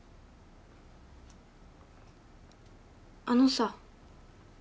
あのさ。